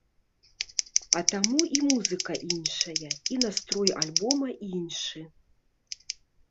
А таму і музыка іншая, і настрой альбома іншы.